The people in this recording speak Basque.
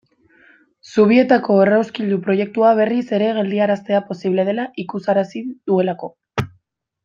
Zubietako errauskailu proiektua berriz ere geldiaraztea posible dela ikusarazi duelako.